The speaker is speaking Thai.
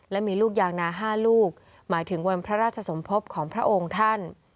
และมีลูกยางนา๕ลูกหมายถึงวันพระราชสมภพของพระองค์ท่าน